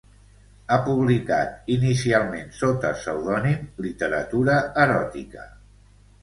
Ha publicat, inicialment sota pseudònim, literatura eròtica.